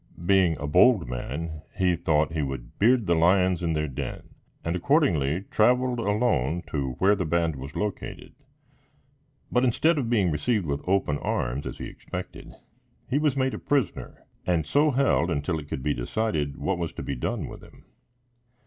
Being a bold man, he thought he would beard the lions in their den, and accordingly, traveled alone to where the band was located; but, instead of being received with open arms, as he expected, he was made a prisoner, and so held until it could be decided what was to be done with him.